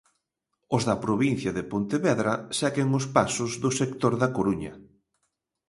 Os da provincia de Pontevedra seguen os pasos do sector da Coruña.